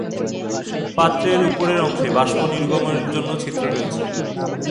পাত্রের উপরের অংশে বাষ্প নির্গমনের জন্য ছিদ্র আছে।